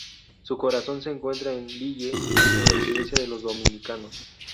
Su corazón se encuentra en Lille, en la iglesia de los dominicanos.